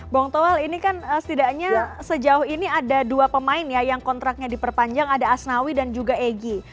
bung toel ini kan setidaknya sejauh ini ada dua pemain ya yang kontraknya diperpanjang ada asnawi dan juga egy